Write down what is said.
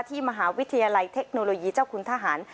ที่มหาวิทยาลัยเทคโนโลยีเจ้าคุณทหาร